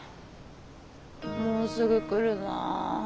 もうすぐ来るなあ。